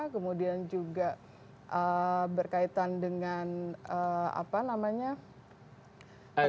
kemudian juga berkaitan dengan apa namanya